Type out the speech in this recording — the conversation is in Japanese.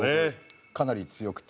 かなり強くて。